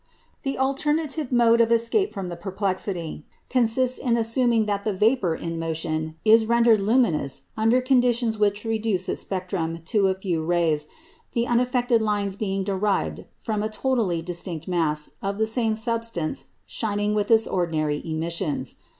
The alternative mode of escape from the perplexity consists in assuming that the vapour in motion is rendered luminous under conditions which reduce its spectrum to a few rays, the unaffected lines being derived from a totally distinct mass of the same substance shining with its ordinary emissions.